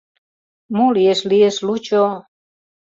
Мо лиеш, лиеш, лучо...»